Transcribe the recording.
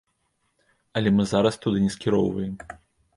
Але мы зараз туды не скіроўваем.